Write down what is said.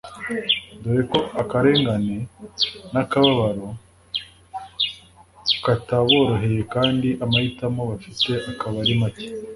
dore ko akarengane n’akababaro kataboroheye kandi amahitamo bafite akaba ari make